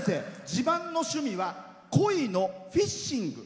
自慢の趣味はコイのフィッシング。